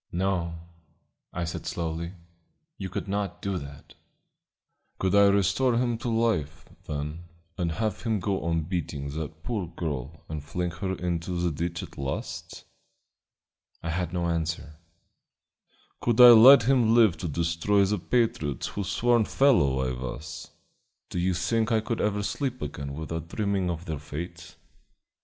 "No," I said slowly, "you could not do that." "Could I restore him to life, then, and have him go on beating that poor girl and flinging her into the ditch at last?" I had no answer. "Could I let him live to destroy the patriots whose sworn fellow I was? Do you think I could ever sleep again without dreaming of their fate?